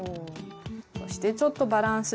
そしてちょっとバランスしますよ。